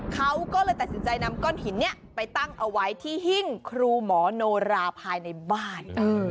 เขาก็เลยตัดสินใจนำก้อนหินนี้ไปตั้งเอาไว้ที่หิ้งครูหมอโนราภายในบ้าน